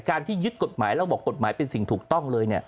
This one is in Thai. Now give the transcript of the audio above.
ที่ยึดกฎหมายแล้วบอกกฎหมายเป็นสิ่งถูกต้องเลย